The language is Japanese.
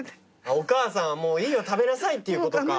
お母さん「もういいよ食べなさい」っていうことか。